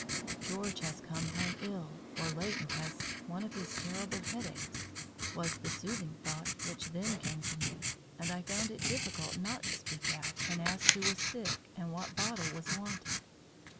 "George has come home ill, or Leighton has one of his terrible headaches," was the soothing thought which then came to me, and I found it difficult not to speak out and ask who was sick and what bottle was wanted.